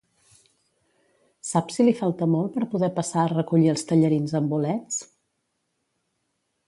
Saps si li falta molt per poder passar a recollir els tallarins amb bolets?